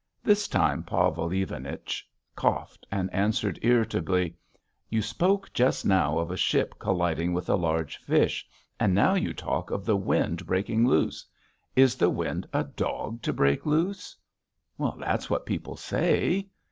This time Pavel Ivanich coughed and answered irritably: "You spoke just now of a ship colliding with a large fish, and now you talk of the wind breaking loose.... Is the wind a dog to break loose?" "That's what people say."